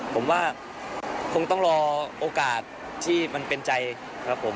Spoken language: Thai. ผมว่าคงต้องรอโอกาสที่มันเป็นใจครับผม